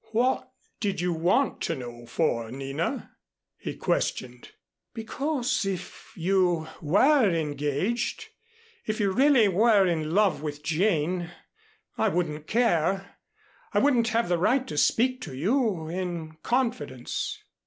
"What did you want to know for, Nina?" he questioned. "Because if you were engaged if you really were in love with Jane, I wouldn't care I wouldn't have the right to speak to you in confidence."